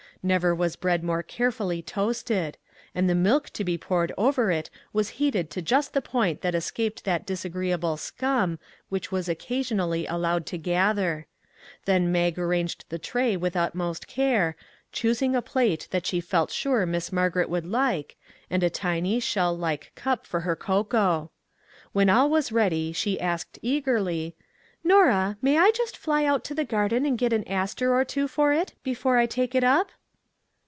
Never was bread more carefully toasted; and the milk to be poured over it was heated to just the point that escaped that disagreeable " scum " which was occasionally allowed to gather. Then Mag ar ranged the tray with utmost care, choosing a plate that she felt sure Miss Margaret would like, and a tiny, shell like cup for her cocoa. When all was ready she asked eagerly, " Norah, may I just fly out to the garden and get an aster or two for it, before I take it up?